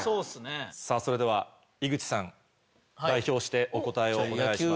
さぁそれでは井口さん。代表してお答えをお願いします。